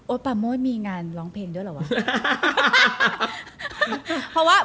ปาโมดมีงานร้องเพลงด้วยเหรอวะ